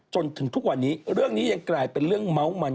จนถึงทุกวันนี้เรื่องนี้ยังกลายเป็นเรื่องเมาส์มัน